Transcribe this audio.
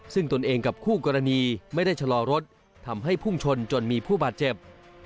ซึ่งตนเองกับคู่กรณีไม่ได้ชะลอรถทำให้พุ่งชนจนมีผู้บาดเจ็บ